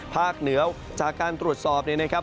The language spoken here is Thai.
เหนือจากการตรวจสอบเนี่ยนะครับ